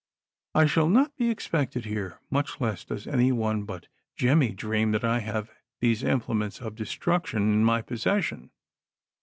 I shall not be expected here, much less does any one but 'Jemmy dream that I have these implements of destruction in my ])osses sion.